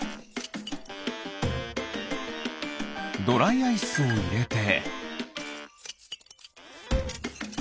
ドライアイスをいれて。